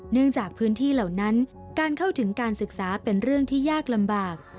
จากพื้นที่เหล่านั้นการเข้าถึงการศึกษาเป็นเรื่องที่ยากลำบาก